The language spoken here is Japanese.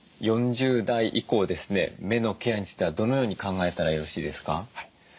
４０代以降ですね目のケアについてはどのように考えたらよろしいですか？